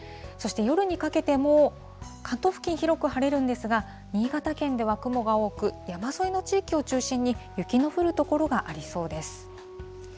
そして夜にかけても、関東付近、広く晴れるんですが、新潟県では雲が多く、山沿いの地域を中心に、雪の降る所がありそうです。